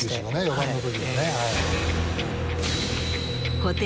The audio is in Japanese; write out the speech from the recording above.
４番の時のね。